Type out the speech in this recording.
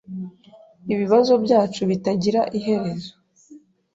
Ibibazo byacu bitagira iherezo.